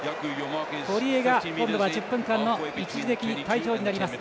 堀江が１０分間の一時的退場となります。